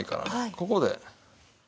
ここで。